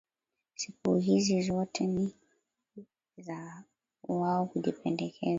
Siku hizi zote ni za wao kujipendeza